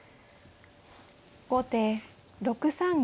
後手６三銀。